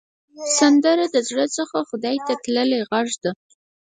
سندره د زړه څخه خدای ته تللې غږ ده